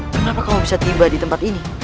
kenapa kamu bisa tiba di tempat ini